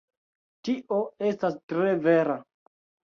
Tio estas tre vera.